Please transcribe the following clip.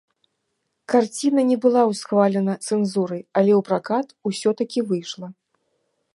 Карціна не была ўхвалена цэнзурай, але ў пракат усё-такі выйшла.